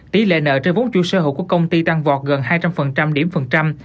tỷ lệ nợ trên vốn chủ sở hữu của công ty tăng vọt gần hai trăm linh điểm phần trăm